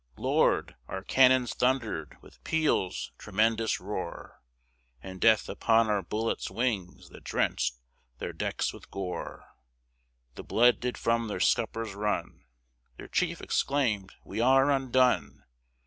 Lord! our Cannons thunder'd with peals tremendous roar, And death upon our bullets' wings that drenched their decks with gore, The blood did from their scuppers run, Their chief exclaimed, "We are undone!"